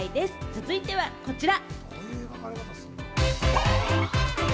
続いてはこちら。